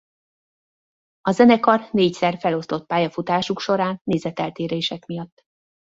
A zenekar négyszer feloszlott pályafutásuk során nézeteltérések miatt.